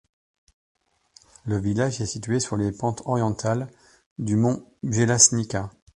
Le village est situé sur les pentes orientales du mont Bjelašnica.